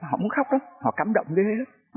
họ muốn khóc lắm họ cảm động ghê lắm